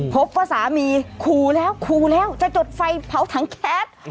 พบว่าสามีขู่แล้วขู่แล้วจะจุดไฟเผาถังแก๊ส